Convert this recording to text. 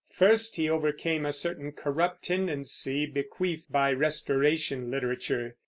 First, he overcame a certain corrupt tendency bequeathed by Restoration literature.